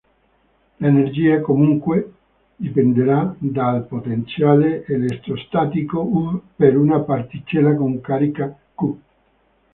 L'energia, comunque, dipenderà dal potenziale elettrostatico "V" per una particella con carica "q".